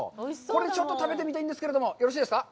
これちょっと食べてみたいんですけど、よろしいですか。